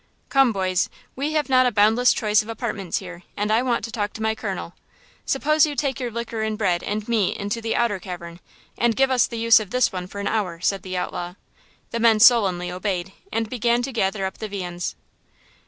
"Come, boys, we have not a boundless choice of apartments here, and I want to talk to my colonel! Suppose you take your liquor and bread and meat into the outer cavern and give us the use of this one for an hour," said the outlaw. The men sullenly obeyed and began to gather up the viands.